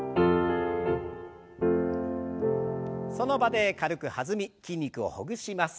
その場で軽く弾み筋肉をほぐします。